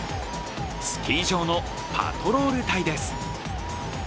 スキー場のパトロール隊です。